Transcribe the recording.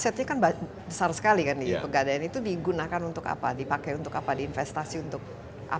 asetnya kan besar sekali kan di pegadaian itu digunakan untuk apa dipakai untuk apa diinvestasi untuk apa